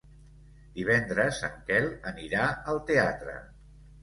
Divendres en Quel anirà al teatre.